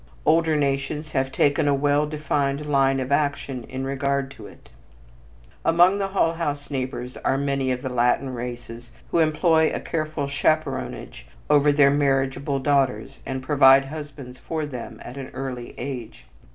Older nations have taken a well defined line of action in regard to it. Among the Hull House neighbors are many of the Latin races who employ a careful chaperonage over their marriageable daughters and provide husbands for them at an early age.